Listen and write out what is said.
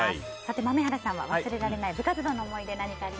豆原さんは忘れられない部活動の思い出